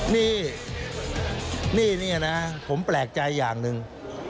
นี่นี่น่ะเนี่ยนะผมแปลกใจอย่างหนึ่ง